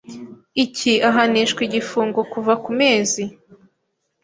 iki ahanishwa igifungo kuva ku mezi